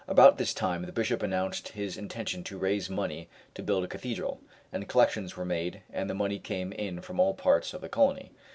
About this time the Bishop announced his intention to raise money to build a cathedral, and collections were made, and the money came in from all parts of the colony.